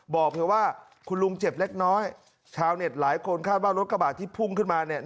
บอกเลยว่าคุณลุงเจ็บเล็กน้อยชาวเน็ตหลายคนคาดว่ารถกระบาดที่พุ่งขึ้นมาเนี่ย